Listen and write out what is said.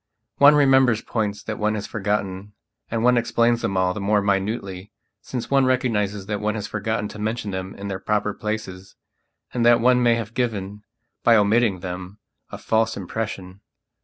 One remembers points that one has forgotten and one explains them all the more minutely since one recognizes that one has forgotten to mention them in their proper places and that one may have given, by omitting them, a false impression.